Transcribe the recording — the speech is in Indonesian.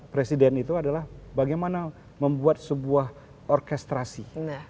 presiden itu adalah bagaimana membuat sebuah orkestrasi